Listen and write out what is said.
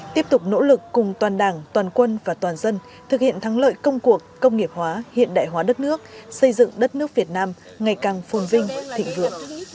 tiếp tục nỗ lực cùng toàn đảng toàn quân và toàn dân thực hiện thắng lợi công cuộc công nghiệp hóa hiện đại hóa đất nước xây dựng đất nước việt nam ngày càng phồn vinh thịnh vượng